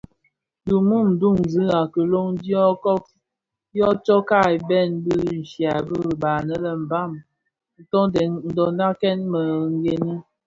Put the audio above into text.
Di mum duňzi a kiloň dyo tsokka bèn dhishya di ribaï anë lè Mbam ntondakèn mii gene.